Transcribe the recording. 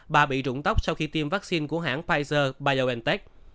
bà bị rụng tóc sau khi tiêm vaccine của hãng pfizer bigentech